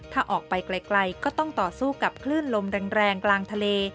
ถ้าออกไปไกลก็ต้องต่อสู้กับคลื่นลมแรงกลางทะเล